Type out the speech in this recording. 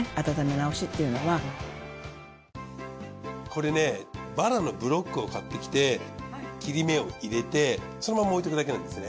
これねバラのブロックを買ってきて切れ目を入れてそのまま置いとくだけなんですね。